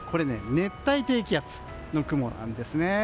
熱帯低気圧の雲なんですね。